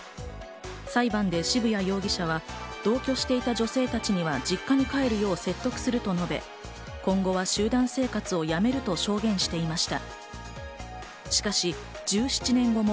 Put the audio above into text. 裁判で渋谷容疑者は同居していた女性たちには実家に帰るよう説得すると述べ、今後は集団生活をやめると証言していました。